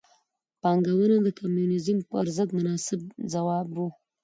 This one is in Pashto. پانګونه د کمونیزم پر ضد مناسب ځواب و.